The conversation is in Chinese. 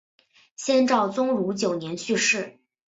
先赵宗儒九年去世。